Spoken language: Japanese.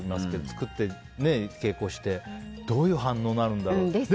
作って、稽古してどういう反応になるんだろうって。